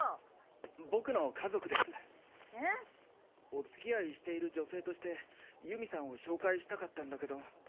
お付き合いしている女性として由美さんを紹介したかったんだけど。